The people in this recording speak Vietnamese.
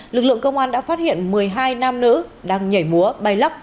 lực lượng công an đã phát hiện một mươi hai nam nữ đang nhảy múa bay lắc